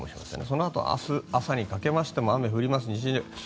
そのあと、明日朝にかけましても雨が降ります。